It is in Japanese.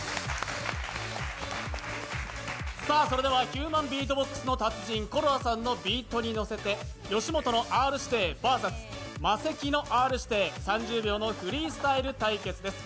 ヒューマンビートボックスの達人・ＣｏＬｏＡさんのビートに乗せて、吉本のＲ−指定バーサス、マセキのＲ−指定、３０秒のフリースタイル対決です。